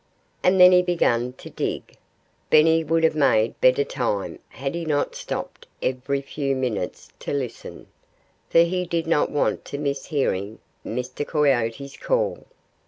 And then he began to dig. Benny would have made better time had he not stopped every few minutes to listen; for he did not want to miss hearing Mr. Coyote's call.